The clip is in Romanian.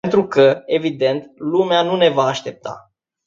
Pentru că, evident, lumea nu ne va aștepta.